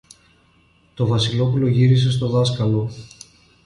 Το Βασιλόπουλο γύρισε στο δάσκαλο.